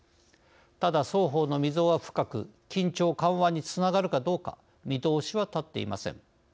ただ、双方の溝は深く緊張緩和につながるかどうか見通しは立っていません。